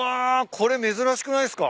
これ珍しくないっすか？